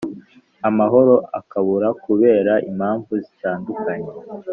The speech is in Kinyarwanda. amahoro akabura kubera impavu zitandukanye